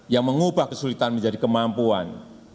yang mengubah kesulitan menjadi kemampuan